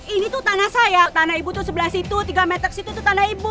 ini tuh tanah saya tanah ibu itu sebelah situ tiga meter situ itu tanah ibu